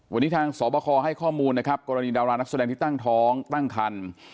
วันนี้ทางสอบคอให้ข้อมูลนะครับกรณีดารานักแสดงที่ตั้งท้องตั้งคัน